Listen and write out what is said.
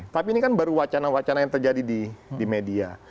tapi ini kan baru wacana wacana yang terjadi di media